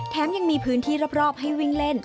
ยังมีพื้นที่รอบให้วิ่งเล่น